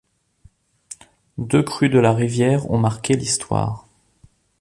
Deux crues de la rivière ont marqué l'histoire.